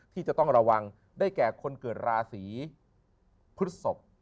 ที่จะต้องระวังได้แก่คนเกิดราศีพฤศพ